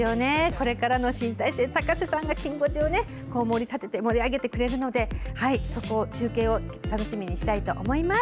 これからの新体制、高瀬さんがきん５時をもり立てて盛り上げてくれるので、そこを、中継を楽しみにしたいと思います。